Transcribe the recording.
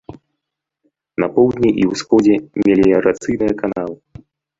На поўдні і ўсходзе меліярацыйныя каналы.